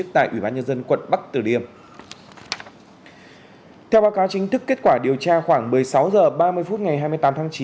theo báo cáo chính thức kết quả điều tra khoảng một mươi sáu h ba mươi phút ngày hai mươi tám tháng chín